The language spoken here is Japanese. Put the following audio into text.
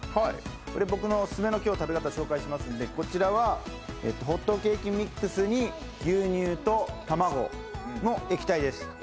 僕のオススメの食べ方、今日紹介するんでこちらはホットケーキミックスに牛乳と卵の液体です。